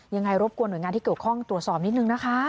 รบกวนหน่วยงานที่เกี่ยวข้องตรวจสอบนิดนึงนะคะ